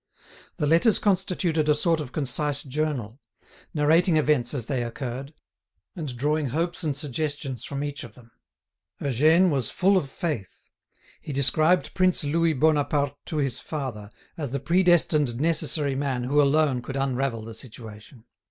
The letters constituted a sort of concise journal, narrating events as they occurred, and drawing hopes and suggestions from each of them. Eugène was full of faith. He described Prince Louis Bonaparte to his father as the predestined necessary man who alone could unravel the situation.